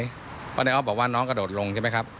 เพราะนายออฟบอกว่าน้องกระโดดลงใช่ไหมครับ